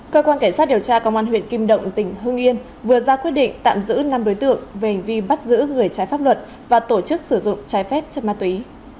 cơ quan cảnh sát điều tra công an huyện kim động tỉnh hưng yên vừa ra quyết định tạm giữ năm đối tượng về hành vi bắt giữ người trái pháp luật và tổ chức sử dụng trái phép chất ma túy